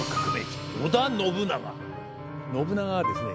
信長はですね